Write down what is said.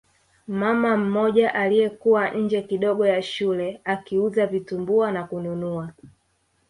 Mama mmoja aliyekuwa nje kidogo ya shule akiuza vitumbua na kununua